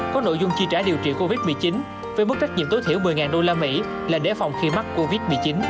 có nội dung chi trả điều trị covid một mươi chín với mức trách nhiệm tối thiểu một mươi usd là để phòng khi mắc covid một mươi chín